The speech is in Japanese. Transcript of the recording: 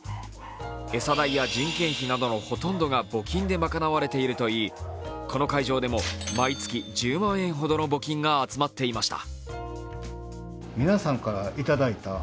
餌代や人件費などのほとんどが募金で賄われているといいこの会場でも毎月１０万円ほどの募金が集まっていました。